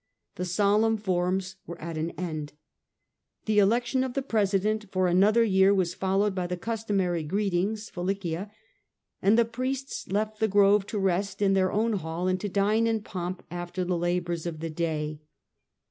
The solemn forms were at an end. The election of the president for another year was followed by the customary greetings (felicia), and the priests left the grove to rest in their own hall, and to dine in pomp after the labours of the day.